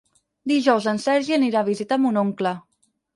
Dijous en Sergi anirà a visitar mon oncle.